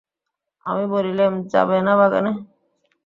আমি বললেম, যাবে না বাগানে?